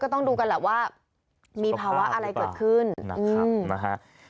ต้องดูกันแหละว่ามีภาวะอะไรเกิดขึ้นนะครับนะฮะ